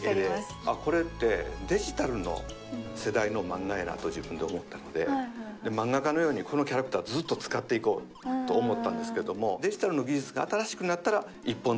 あっこれってデジタルの世代の漫画やなと自分で思ったので漫画家のようにこのキャラクターずっと使っていこうと思ったんですけどもデジタルの技術が新しくなったら１本作ろう。